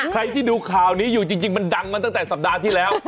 ใครที่ดูข่าวนี้อยู่จริงมันดังมาตั้งแต่สัปดาห์ที่แล้ว